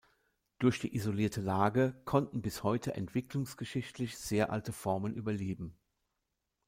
Durch die isolierte Lage konnten bis heute entwicklungsgeschichtlich sehr alte Formen überleben.